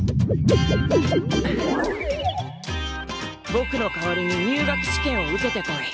ぼくの代わりに入学試験を受けてこい。